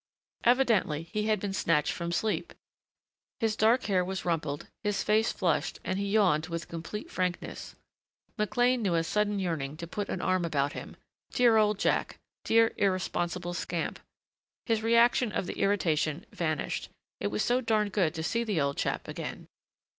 Evidently he had been snatched from sleep. His dark hair was rumpled, his face flushed, and he yawned with complete frankness. McLean knew a sudden yearning to put an arm about him.... Dear old Jack.... Dear, irresponsible scamp.... His reaction of the irritation vanished.... It was so darned good to see the old chap again....